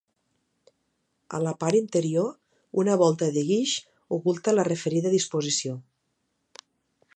A la part interior, una volta de guix oculta la referida disposició.